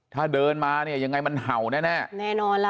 ถ้าเดินมาเนี่ยยังไงมันเห่าแน่แน่นอนล่ะ